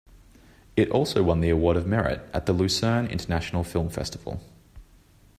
It also won the Award of Merit at the Lucerne International Film Festival.